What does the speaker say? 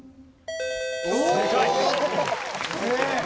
正解！